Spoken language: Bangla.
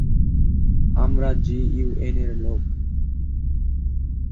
আমরা যি ইউয়েনের লোক!